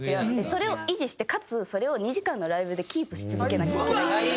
それを維持してかつそれを２時間のライブでキープし続けなきゃいけない。